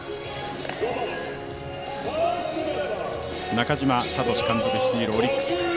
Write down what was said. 中嶋聡監督率いるオリックス。